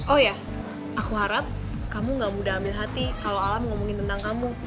oh ya aku harap kamu gak mudah ambil hati kalau alam ngomongin tentang kamu